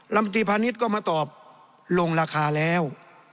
ลำตีพาณิชย์ก็มาตอบลงราคาแล้ว